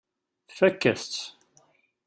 Tfakk-as-tt.